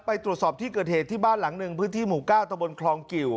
ไปตรวจสอบที่เกิดเหตุที่บ้านหลังหนึ่งพื้นที่หมู่๙ตะบนคลองกิว